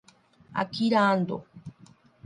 Akira Ando